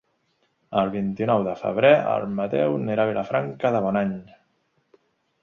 El vint-i-nou de febrer en Mateu irà a Vilafranca de Bonany.